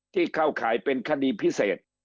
เข้าข่ายเป็นคดีพิเศษ